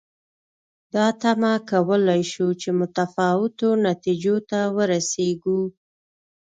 دا تمه کولای شو چې متفاوتو نتیجو ته ورسېږو.